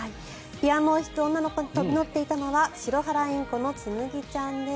ピアノを弾く女の子に飛び乗っていたのはシロハラインコのつむぎちゃんです。